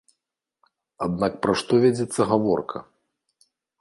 Аднак пра што вядзецца гаворка?